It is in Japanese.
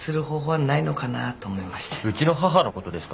うちの母のことですか？